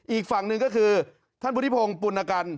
อีกฝั่งหนึ่งก็คือท่านวุฒิพงศ์ปุณกัน